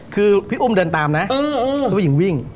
คือพี่อุ้มเดินตามนะผู้หญิงวิ่ง